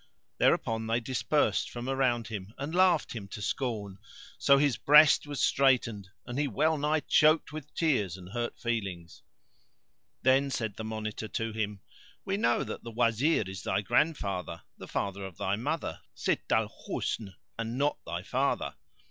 Thereupon they dispersed from around him and laughed him to scorn; so his breast was straitened and he well nigh choked with tears and hurt feelings. Then said the Monitor to him, "We know that the Wazir is thy grandfather, the father of thy mother, Sitt al Husn, and not thy father.